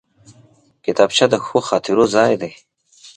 کتابچه د ښو خاطرو ځای دی